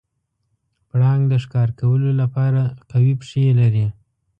پړانګ د ښکار کولو لپاره قوي پښې لري.